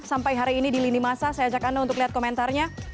sampai hari ini di lini masa saya ajak anda untuk lihat komentarnya